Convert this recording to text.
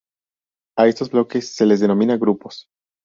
A estos bloques se les denomina "grupos".